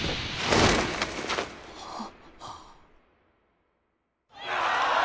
ああ。